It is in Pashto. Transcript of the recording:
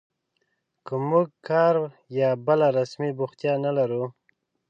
که موږ کار یا بله رسمي بوختیا نه لرو